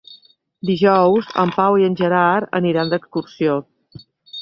Dijous en Pau i en Gerard aniran d'excursió.